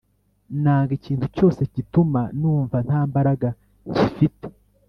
Nanga ikintu cyose gituma numva ntambaraga nkifite